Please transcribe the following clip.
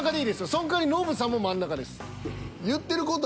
そのかわりノブさんも真ん中です。